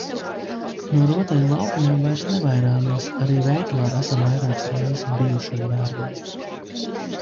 No rotaļu laukumiem vairs nevairāmies, arī veikalā esam vairākas reizes bijuši ar bērniem.